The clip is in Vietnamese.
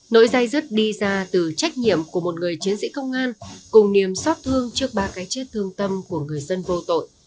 nỗi dây dứt đi ra từ trách nhiệm của một người chiến sĩ công an cùng niềm xót thương trước ba cái chết thương tâm của người dân vô tội